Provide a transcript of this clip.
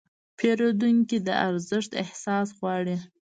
پیرودونکي د ارزښت احساس غواړي.